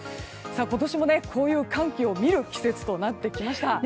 今年もこういう寒気を見る季節となってきました。